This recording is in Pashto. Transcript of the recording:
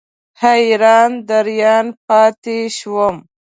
حیران دریان پاتې شوم.